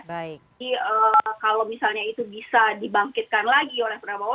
jadi kalau misalnya itu bisa dibangkitkan lagi oleh prabowo